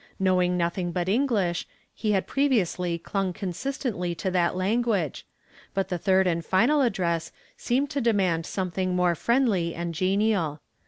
Knowing nothing but English, he had previously clung consistently to that language, but the third and final address seemed to demand something more friendly and genial.